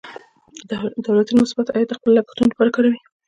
دولتونه مثبت عاید د خپلو لګښتونو لپاره کاروي.